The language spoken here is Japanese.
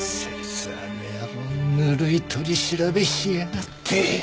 芹沢の野郎ぬるい取り調べしやがって！